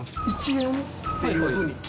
１円？